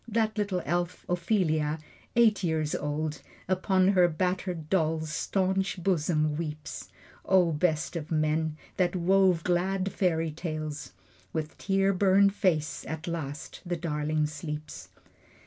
That little elf, Ophelia, eight years old, Upon her battered doll's staunch bosom weeps. ("O best of men, that wove glad fairy tales.") With tear burned face, at last the darling sleeps.